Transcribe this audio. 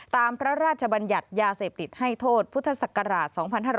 พระราชบัญญัติยาเสพติดให้โทษพุทธศักราช๒๕๕๙